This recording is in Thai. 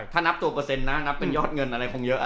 ถ้านับตัวเปอร์เซ็นต์นะนับเป็นยอดเงินอะไรคงเยอะ